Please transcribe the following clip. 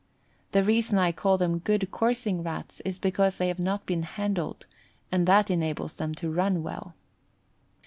The reason I call them good coursing Rats is because they have not been handled, and that enables them to run well.